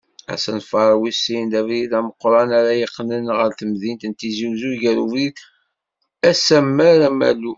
Asenfar wis sin, d abrid ameqqran ara yeqqnen gar temdint n Tizi Uzzu ɣar ubrid Asammar-Amalu.